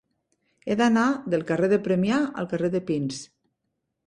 He d'anar del carrer de Premià al carrer de Pins.